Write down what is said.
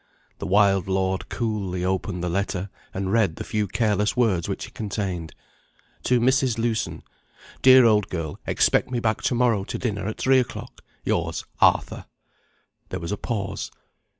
The wild lord coolly opened the letter, and read the few careless words which it contained. "To Mrs. Lewson: Dear old girl, expect me back to morrow to dinner at three o'clock. Yours, ARTHUR." There was a pause.